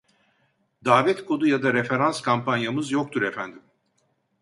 Davet kodu ya da referans kampanyamız yoktur efendim